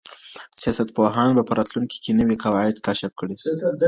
سياستپوهان به په راتلونکي کي نوي قواعد کشف کړي.